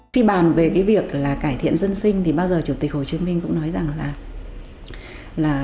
khi bàn về cái việc là cải thiện dân sinh thì bao giờ chủ tịch hồ chí minh cũng nói rằng là